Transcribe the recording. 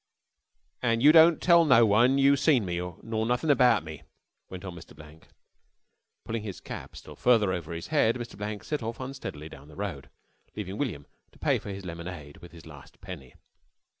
"An' you don't tell no one you seen me nor nothing abart me," went on Mr. Blank. Pulling his cap still farther over his head, Mr. Blank set off unsteadily down the road, leaving William to pay for his lemonade with his last penny.